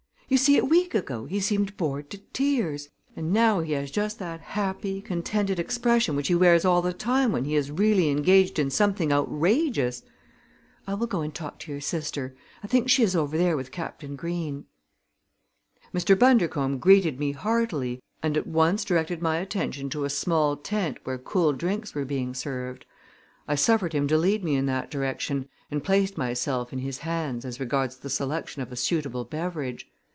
You see, a week ago he seemed bored to tears, and now he has just that happy, contented expression which he wears all the time when he is really engaged in something outrageous. I will go and talk to your sister. I think she is over there with Captain Green." Mr. Bundercombe greeted me heartily and at once directed my attention to a small tent where cool drinks were being served. I suffered him to lead me in that direction and placed myself in his hands as regards the selection of a suitable beverage.